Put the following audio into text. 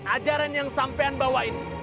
ajaran yang sampean bawah ini